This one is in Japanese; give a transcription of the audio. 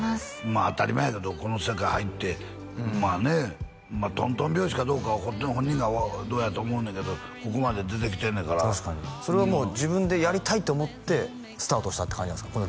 まあ当たり前やけどこの世界入ってまあねとんとん拍子かどうかは本人がどうやと思うねんけどここまで出てきてんのやからそれはもう自分でやりたいと思ってスタートしたって感じなんですか？